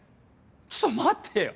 ちょっと待ってよ